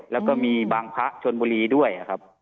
แล้วก็มีบางพระชนบุรีด้วยครับ